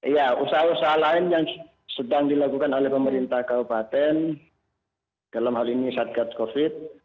ya usaha usaha lain yang sedang dilakukan oleh pemerintah kabupaten dalam hal ini satgas covid